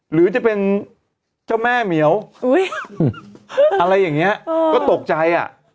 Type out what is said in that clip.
หรือจะเป็นเจ้าแม่เหมียวอะไรอย่างนี้ก็ตกใจอ่ะ